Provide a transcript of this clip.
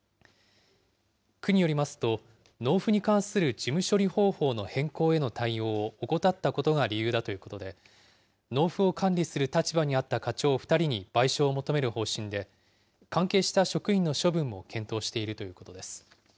区によりますと、納付に関する事務処理方法の変更への対応を怠ったことが理由だということで、納付を管理する立場にあった課長２人に賠償を求める方針で、関係した職員の処分も検討しているということです。